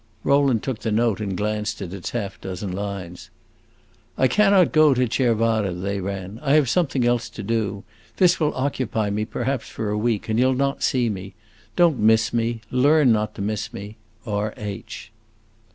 Rowland took the note and glanced at its half dozen lines. "I cannot go to Cervara," they ran; "I have something else to do. This will occupy me perhaps for a week, and you 'll not see me. Don't miss me learn not to miss me. R. H."